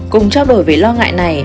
cùng trao đổi về lo ngại này